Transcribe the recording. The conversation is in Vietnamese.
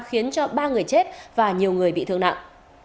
khiến cho ba người chết và nhiều người bị thương nặng